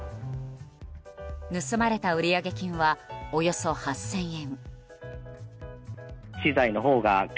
盗まれた売上金はおよそ８０００円。